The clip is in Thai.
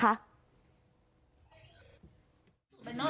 เข้าไปในร้านเลยนะ